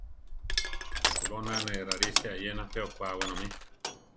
Goná ne rarisia eyena pe okwá wenomí.